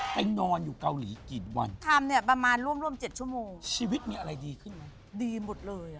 นอนอยู่เกาหลีกี่วันทำเนี่ยประมาณร่วมร่วมเจ็ดชั่วโมงชีวิตมีอะไรดีขึ้นไหมดีหมดเลยอ่ะ